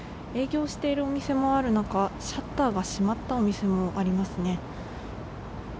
営業しているお店もある中、シャッターが閉まったお店もありますね。